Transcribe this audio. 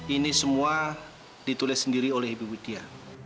ini semua ditulis sendiri oleh ibu widya